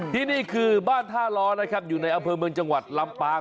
ที่นี่คือบ้านท่าล้อนะครับอยู่ในอำเภอเมืองจังหวัดลำปาง